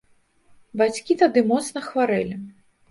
Бацькі тады моцна хварэлі.